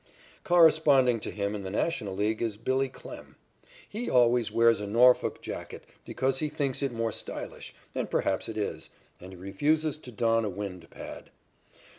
Corresponding to him in the National League is "Billy" Klem. He always wears a Norfolk jacket because he thinks it more stylish, and perhaps it is, and he refuses to don a wind pad.